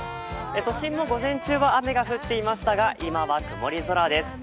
都心も午前中は雨が降っていましたが今は曇り空です。